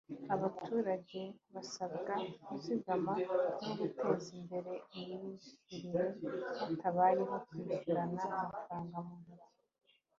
abaturage basabwa kuzigama no guteza imbere imyishyurire hatabayeho kwishyurana amafaranga mu ntoki